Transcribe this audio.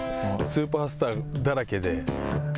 スーパースターだらけで。